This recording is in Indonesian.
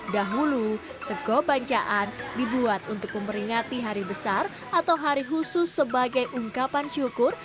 dahulu sego bancaan dibuat untuk memperingati hari besar atau hari khusus sebagai ungkapan syukur